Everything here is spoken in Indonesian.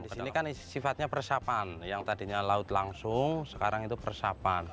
di sini kan sifatnya persapan yang tadinya laut langsung sekarang itu persapan